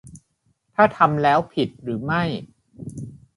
หรือถ้าทำแล้วผิดหรือไม่